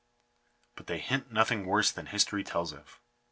But they hint nothing worse than history tells of.